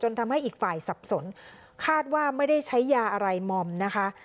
ทำให้อีกฝ่ายสับสนคาดว่าไม่ได้ใช้ยาอะไรมอมนะคะ